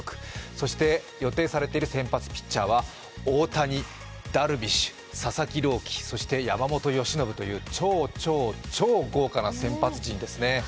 そして予定されている先発ピッチャーは大谷、ダルビッシュ、佐々木朗希、そして山本由伸という超超超豪華な先発陣ですね。